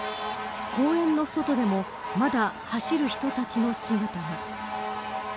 公園の外でもまだ走る人たちの姿が。